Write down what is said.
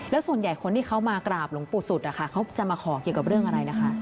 แล้วส่วนใหญ่คนที่เขามากราบหลวงปู่สุดนะคะเขาจะมาขอเกี่ยวกับเรื่องอะไรนะคะ